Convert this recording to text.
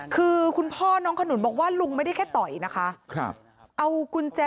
คือคุณพอน้องขนุนว่าลุงไม่ได้แค่ต่อยนะคะ